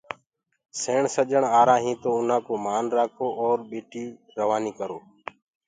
سيڻ سڃڻ آرآ هينٚ تو اُنا ڪو مان رآکو اور ٻٽي روآني ڪرو۔